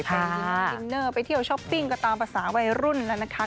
ไปยิงดินเนอร์ไปเที่ยวช้อปปิ้งก็ตามภาษาวัยรุ่นแล้วนะคะ